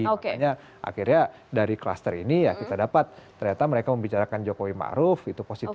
makanya akhirnya dari kluster ini ya kita dapat ternyata mereka membicarakan jokowi ⁇ maruf ⁇ itu positif